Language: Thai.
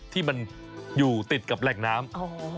ที่มันอยู่ติดกับแหล่งน้ำ